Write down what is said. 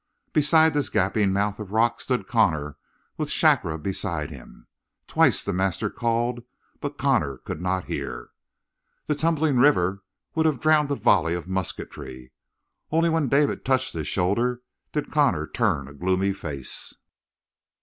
Beside this gaping mouth of rock stood Connor with Shakra beside him. Twice the master called, but Connor could not hear. The tumbling river would have drowned a volley of musketry. Only when David touched his shoulder did Connor turn a gloomy face.